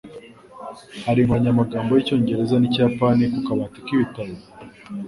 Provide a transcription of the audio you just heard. Hari inkoranyamagambo y'Icyongereza n'Ikiyapani ku kabati k'ibitabo?